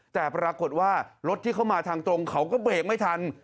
แต่ปรากฏว่ารถที่เข้ามาทางตรงเขาก็เบรกไม่ทัน